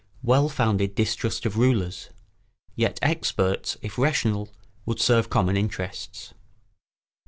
[Sidenote: Well founded distrust of rulers. Yet experts, if rational, would serve common interests.